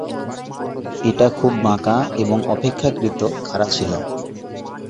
এটা খুব বাঁকা এবং অপেক্ষাকৃত খাড়া ছিল।